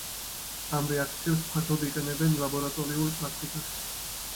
ამ რეაქციებს ფართოდ იყენებენ ლაბორატორიულ პრაქტიკაში.